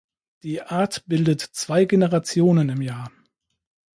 Die Art bildet zwei Generationen im Jahr.